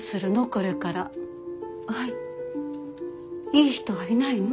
いい人はいないの？